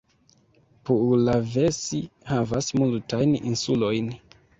Puulavesi havas multajn insulojn.